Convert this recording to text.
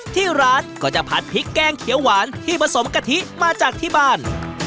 ที่ร้านจะผัดพริกแกงเก๋วหวานทำผสมกะทิมาที่บ้าน